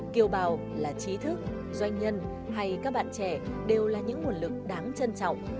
kiểu bào là trí thức doanh nhân hay các bạn trẻ đều là những nguồn lực đáng trân trọng